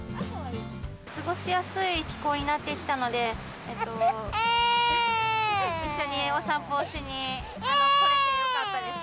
過ごしやすい気候になってきたので、一緒にお散歩をしに来られてよかったです。